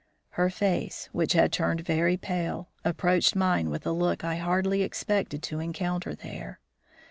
Her face, which had turned very pale, approached mine with a look I hardly expected to encounter there.